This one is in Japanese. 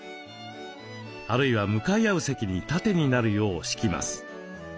あるいは向かい合う席に縦になるよう敷きます。